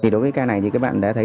đối với ca này thì các bạn đã thấy